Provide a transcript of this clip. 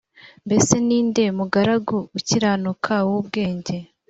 mbese ni nde mugaragu ukiranuka w ubwenge